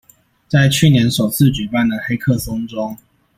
在去年首次舉辦的黑客松中